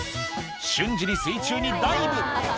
瞬時に水中にダイブ。